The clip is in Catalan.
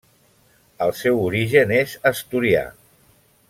El seu origen és asturià.